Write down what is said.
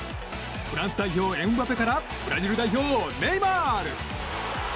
フランス代表、エムバペからブラジル代表、ネイマール。